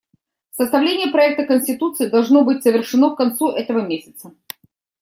Составление проекта конституции должно быть завершено к концу этого месяца.